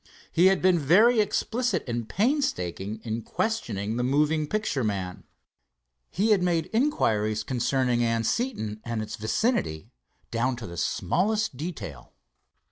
He had been very explicit and painstaking in questioning the moving picture man. He had made inquiries concerning Anseton and its vicinity down to the smallest detail.